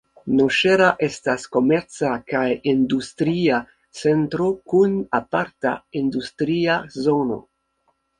Noŝera estas komerca kaj industria centro kun aparta industria zono.